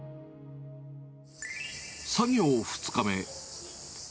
作業２日目。